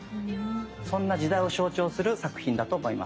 そんな時代を象徴する作品だと思います。